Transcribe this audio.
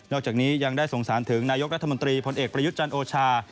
อกจากนี้ยังได้สงสารถึงนายกรัฐมนตรีพลเอกประยุทธ์จันทร์โอชา